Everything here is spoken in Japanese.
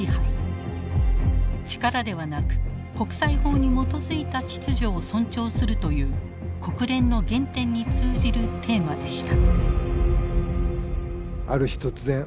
力ではなく国際法に基づいた秩序を尊重するという国連の原点に通じるテーマでした。